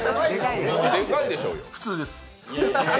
普通です。